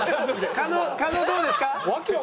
狩野狩野どうですか？